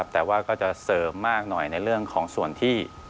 แต่ว่าก็จะเสริมมากหน่อยในเรื่องของส่วนที่